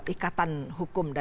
ikatan hukum dan